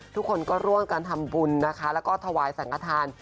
ทุกคนก็ร่วมกันทำบุญนะคะแล้วก็ถวายสังฆฐาน